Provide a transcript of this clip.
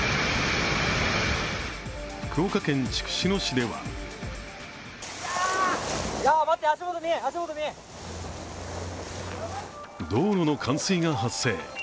福岡県筑紫野市では道路の冠水が発生。